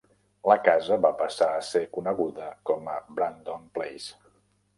La casa va passar a ser coneguda com a Brandon Place.